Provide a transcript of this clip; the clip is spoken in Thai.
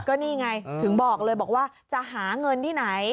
ก็นี่ไงถึงบอกเลยบอกว่าจะหาเงินที่ไหน